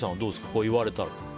これ言われたら。